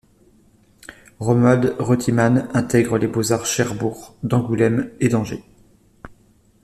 Romuald Reutimann intègre les Beaux-Arts Cherbourg, d’Angoulême et d’Angers.